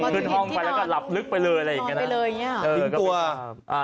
ขึ้นห้องไปแล้วก็หลับลึกไปเลยอะไรอย่างนี้นะ